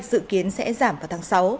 dự kiến sẽ giảm vào tháng sáu